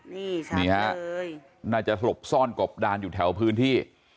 นี่ค่ะนี่ฮะน่าจะหลบซ่อนกบดานอยู่แถวพื้นที่